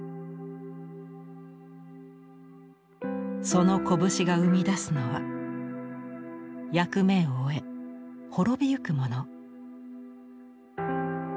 その拳が生み出すのは役目を終え滅びゆくモノ。